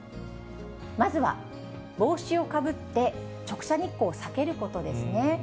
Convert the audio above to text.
まずは帽子をかぶって直射日光を避けることですね。